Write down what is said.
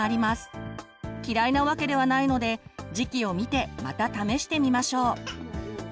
嫌いなわけではないので時期を見てまた試してみましょう。